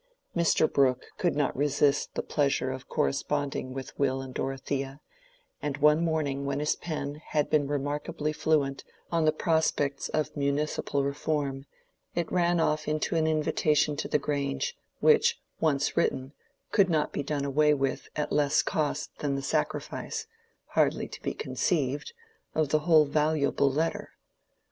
Mr. Brooke could not resist the pleasure of corresponding with Will and Dorothea; and one morning when his pen had been remarkably fluent on the prospects of Municipal Reform, it ran off into an invitation to the Grange, which, once written, could not be done away with at less cost than the sacrifice (hardly to be conceived) of the whole valuable letter.